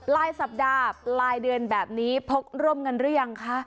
ลายสัปดาห์ปลายเดือนแบบนี้พกร่มกันหรือยังคะ